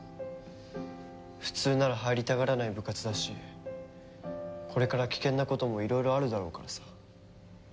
普通なら入りたがらない部活だしこれから危険な事もいろいろあるだろうからさ。